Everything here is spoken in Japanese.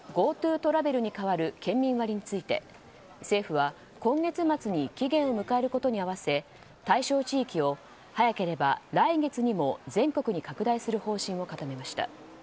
ＧｏＴｏトラベルに代わる県民割について政府は、今月末に期限を迎えることに合わせ対象地域を早ければ来月にも全国に拡大する方針を固めました。